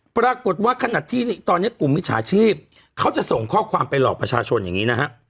ปรากฏว่าขณะที่ตอนนี้กลุ่มมิจฉาชีพเขาจะส่งข้อความไปหลอกประชาชนอย่างนี้นะฮะ